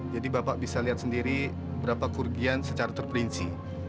bapak bisa lihat sendiri berapa kerugian secara terperinci